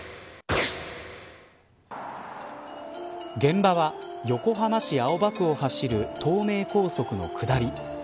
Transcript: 現場は横浜市青葉区を走る東名高速の下り。